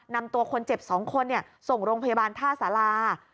นำตัวคนเจ็บ๒คนส่งโรงพยาบาลท่าสารา